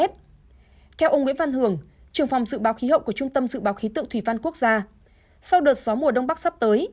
theo ông nguyễn văn hưởng trưởng phòng sự báo khí hậu của trung tâm sự báo khí tự thủy văn quốc gia sau đợt gió mùa đông bắc sắp tới